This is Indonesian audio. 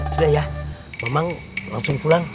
sudah ya memang langsung pulang